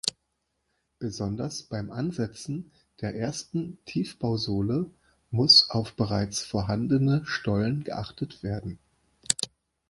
Besonders beim Ansetzen der ersten Tiefbausohle muss auf bereits vorhandene Stollen geachtet werden.